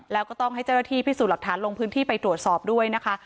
แล้วก็ต้องให้เจ้าหน้าที่พิสูจน์หลักฐานลงพื้นที่ไปตรวจสอบด้วยนะคะ